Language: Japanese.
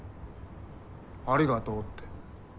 「ありがとうって」